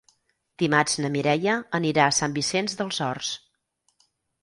Dimarts na Mireia anirà a Sant Vicenç dels Horts.